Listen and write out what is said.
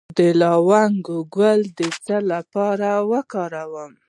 د لونګ ګل د څه لپاره وکاروم؟